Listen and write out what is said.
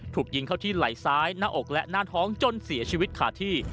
ถูกยิงเข้าที่ไหล่ซ้ายหน้าอกและหน้าท้องจนเสียชีวิตขาดที่